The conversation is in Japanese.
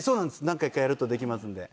何回かやるとできますので。